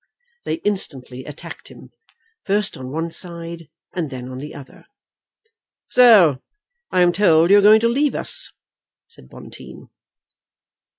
They instantly attacked him, first on one side and then on the other. "So I am told you are going to leave us," said Bonteen.